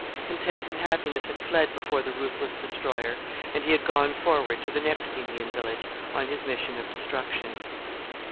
Content and happiness had fled before the ruthless destroyer, and he had gone forward to the next Indian village on his mission of destruction.